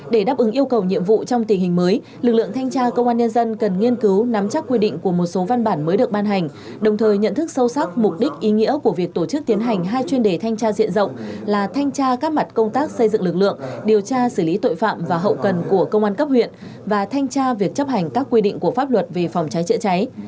để đáp ứng yêu cầu nhiệm vụ trong tình hình mới lực lượng thanh tra công an nhân dân cần nghiên cứu nắm chắc quy định của một số văn bản mới được ban hành đồng thời nhận thức sâu sắc mục đích ý nghĩa của việc tổ chức tiến hành hai chuyên đề thanh tra diện rộng là thanh tra các mặt công tác xây dựng lực lượng điều tra xử lý tội phạm và hậu cần của công an cấp huyện và thanh tra việc chấp hành các quy định của pháp luật về phòng trái trịa trái